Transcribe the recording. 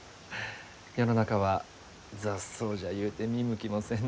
世の中は雑草じゃゆうて見向きもせんのに。